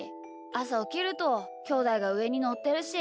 あさおきるときょうだいがうえにのってるし。